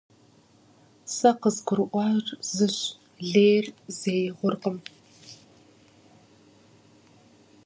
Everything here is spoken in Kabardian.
Сэ къызгурыӀуар зыщ: лейр зэи гъуркъым.